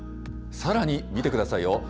さらに、見てくださいよ。